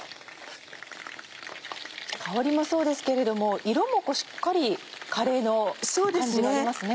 香りもそうですけれども色もしっかりカレーの感じになりますね。